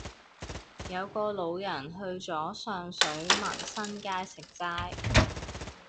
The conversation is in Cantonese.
有個老人去左上水民生街食齋